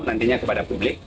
nantinya kepada publik